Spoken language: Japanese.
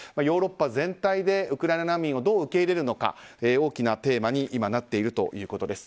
ヨーロッパ全体でウクライナ難民をどう受け入れるのか大きなテーマになっていると。